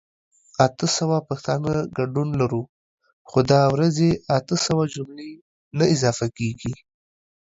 اته سوه پښتانه ګډون لرو خو دا ورځې اته سوه جملي نه اضافه کيږي